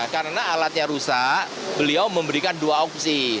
karena alatnya rusak beliau memberikan dua opsi